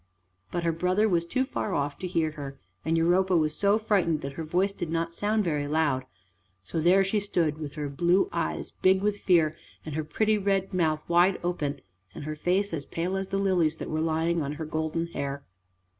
But her brother was too far off to hear her, and Europa was so frightened that her voice did not sound very loud; so there she stood with her blue eyes big with fear, and her pretty red mouth wide open, and her face as pale as the lilies that were lying on her golden hair.